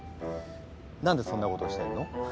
何でそんなことしてんの？